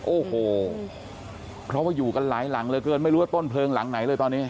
โอ้โหเพราะว่าอยู่กันหลายหลังเหลือเกินไม่รู้ว่าต้นเพลิงหลังไหนเลยตอนนี้